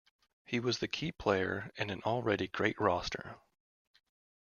He was the key player in an already great roster.